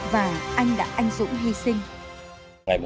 và anh đã anh dũng hy sinh